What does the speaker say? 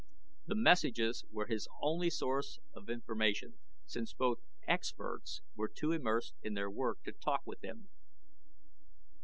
The messages were his only source of information, since both "experts" were too immersed in their work to talk with him.